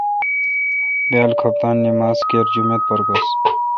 بیال کُھپتان نما ز کر جما ت پر گُس۔